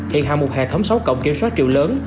hiện hạ một hệ thống sáu cổng kiểm soát triệu lớn